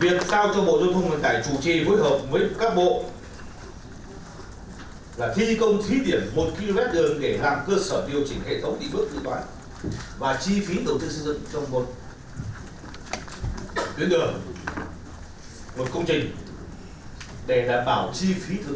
việc sao cho bộ dân thông ngân tài chủ trì với hợp với các bộ là thi công thí điểm một km đường